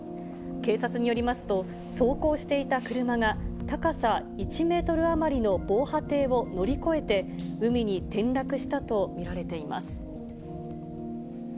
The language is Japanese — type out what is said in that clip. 警察によりますと、走行していた車が高さ１メートル余りの防波堤を乗り越えて、海に転落したと見られています。